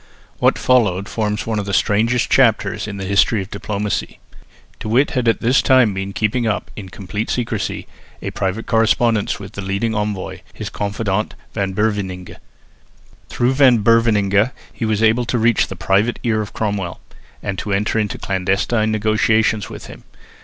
What followed forms one of the strangest chapters in the history of diplomacy. De Witt had all this time been keeping up, in complete secrecy, a private correspondence with the leading envoy, his confidant Van Beverningh. Through Van Beverningh he was able to reach the private ear of Cromwell, and to enter into clandestine negotiations with him.